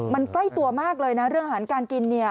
มันใกล้ตัวมากเลยนะเรื่องอาหารการกินเนี่ย